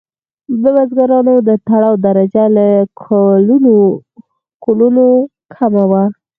د بزګرانو د تړاو درجه له کولونو کمه وه.